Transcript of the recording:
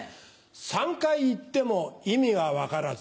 ３回言っても意味が分からず。